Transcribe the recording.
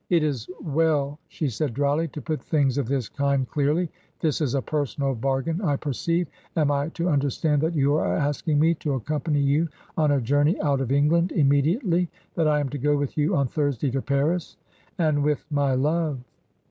" It is well," she said, drily, " to put things of this kind clearly. This is a personal bargain, I perceive. Am I to understand that you are asking me to accompany you on a journey out of England — immediately ? That I am to go with you on Thursday to Paris ?"" And with my love."